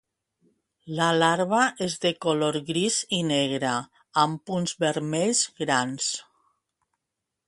La larva és de color gris i negre amb punts vermells grans.